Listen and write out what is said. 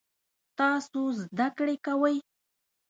تاسو زده کړی کوئ؟